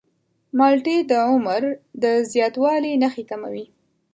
مالټې د عمر د زیاتوالي نښې کموي.